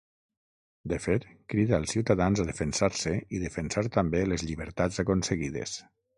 De fet, crida els ciutadans a defensar-se i defensar també les llibertats aconseguides.